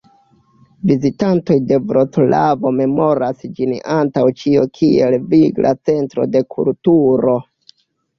Vizitantoj de Vroclavo memoras ĝin antaŭ ĉio kiel vigla centro de kulturo.